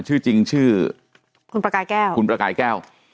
ชื่อจริงชื่อคุณประกายแก้ว